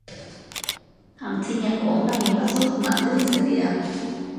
Antzinako hondakin batzuk mantentzen dira.